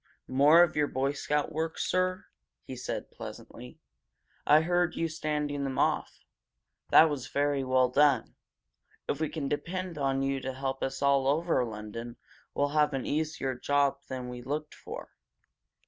"More of your Boy Scout work, sir?" he said, pleasantly. "I heard you standing them off! That was very well done. If we can depend on you to help us all over London, we'll have an easier job than we looked for."